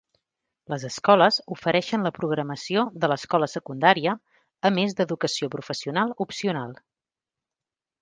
Les escoles ofereixen la programació de l'escola secundària, a més d'educació professional opcional.